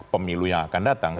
pemilu yang akan datang